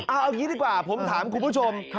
เอาอย่างนี้ดีกว่าผมถามคุณผู้ชม